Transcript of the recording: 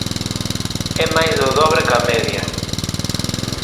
E máis do dobre ca media.